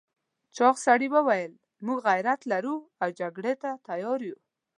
چاغ سړي وویل موږ غيرت لرو او جګړې ته تيار یو.